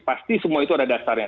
pasti semua itu ada dasarnya